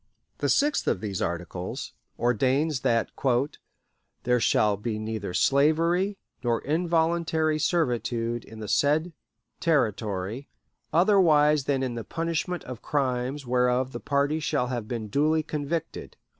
The sixth of these articles ordains that "there shall be neither slavery nor involuntary servitude in the said Territory, otherwise than in the punishment of crimes whereof the party shall have been duly convicted."